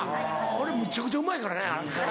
俺むっちゃくちゃうまいからね。